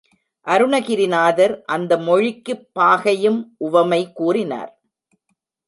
அருணகிரிநாதர் அந்த மொழிக்குப் பாகையும் உவமை கூறினார்.